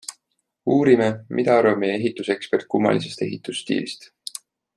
Uurime, mida arvab meie ehitusekspert kummalisest ehitusstiilist.